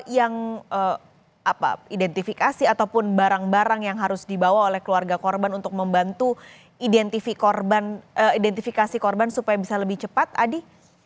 yang identifikasi ataupun barang barang yang harus dibawa oleh keluarga korban untuk membantu identifikasi korban supaya bisa lebih cepat adi